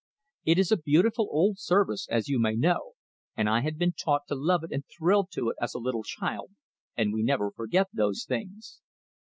It is a beautiful old service, as you may know, and I had been taught to love it and thrill to it as a little child, and we never forget those things.